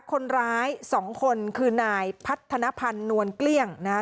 คนร้ายสองคนคือนายพัฒนภัณฑ์นวลเกลี้ยงนะคะ